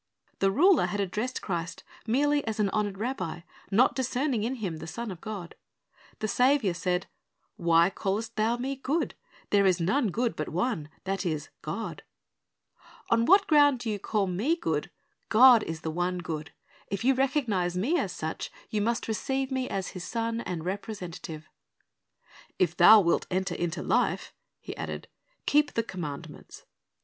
The ruler had addressed Christ merely as an honored rabbi, not discerning in Him the Son of God. The Saviour said, "Why callest thou Me good? There is none good but one, that is, God." On what ground do you call Mc (390) Based on Matt. 19 : 16 30; 20:1 16; Mark 10:17 31; Luke 18:18 30 T h c R c IV ar d of Grace 391 good ? God is the one good. If you recognize Me as such, you must receive Me as His Son and representative. "If thou wilt enter into life," He added, "keep the commandments."